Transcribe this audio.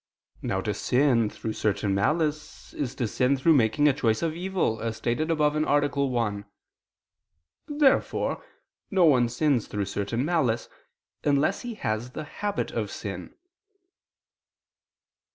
Now to sin through certain malice is to sin through making a choice of evil, as stated above (A. 1). Therefore no one sins through certain malice, unless he has the habit of sin.